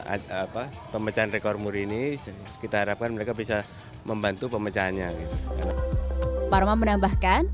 apa pemecahan rekor muri ini kita harapkan mereka bisa membantu pemecahannya parma menambahkan